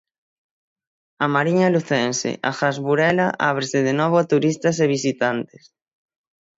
A Mariña Lucense, agás Burela, ábrese de novo a turistas e visitantes.